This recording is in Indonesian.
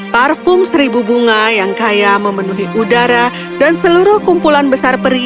parfum seribu bunga yang kaya memenuhi udara dan seluruh kumpulan besar peri